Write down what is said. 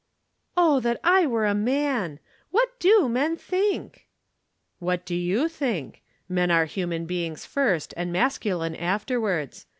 "O that I were a man! What do men think?" "What do you think? Men are human beings first and masculine afterwards.